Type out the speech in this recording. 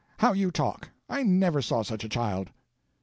How you talk! I never saw such a child!"